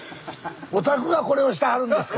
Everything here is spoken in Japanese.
おたくがこれをしてはるんですか？